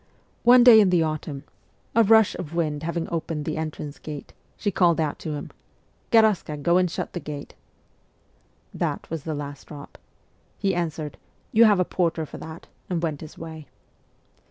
One day in the autumn, a rush of F 2 68 MEMOIRS OF A REVOLUTIONIST wind having opened the entrance gate, she called out to him, ' Garaska, go and shut the gate.' That was the last drop. He answered, ' You have a porter for that/ and went his way.